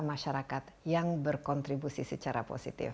masyarakat yang berkontribusi secara positif